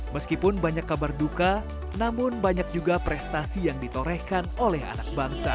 meskipun banyak kabar duka namun banyak juga prestasi yang ditorehkan oleh anak bangsa